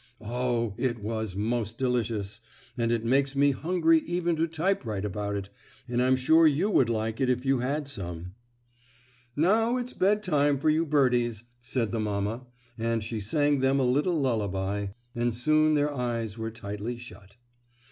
Oh! it was most delicious, and it makes me hungry even to typewrite about it, and I'm sure you would like it if you had some. "Now it's bedtime for you birdies," said the mamma, and she sang them a little lullaby and soon their eyes were tightly shut.